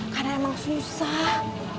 karena emang susah